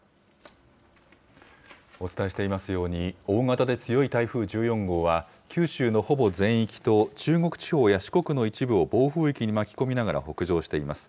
お伝えしていますように、大型で強い台風１４号は九州のほぼ全域と中国地方や四国の一部を暴風域に巻き込みながら北上しています。